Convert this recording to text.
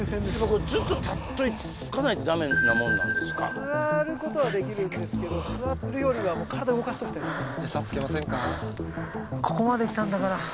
これずっと立っとかないとダメなもんなんですか座ることはできるんですけど座るよりは体動かしておきたいですね